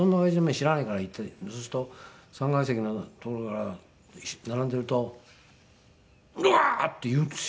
知らないから行ってそうすると３階席の所から並んでいるとうわー！って言うんですよ。